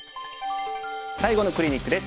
最後のクリニックです。